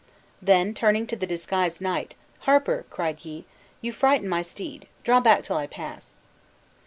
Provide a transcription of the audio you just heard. Then turning to the disguised knight, "Harper," cried he, "you frighten my steed; draw back till I pass."